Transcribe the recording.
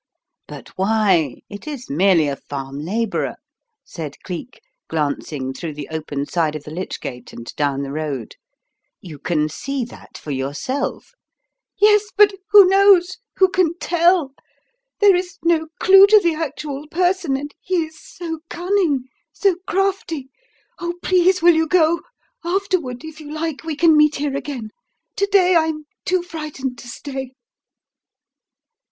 "But why? It is merely a farm labourer," said Cleek, glancing through the open side of the lich gate and down the road. "You can see that for yourself." "Yes, but who knows? who can tell? There is no clue to the actual person and he is so cunning, so crafty Oh, please, will you go? Afterward, if you like, we can meet here again. To day I am too frightened to stay."